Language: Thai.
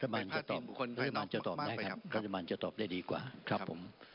ประธานจะตอบได้ครับประธานจะตอบได้ดีกว่าครับผม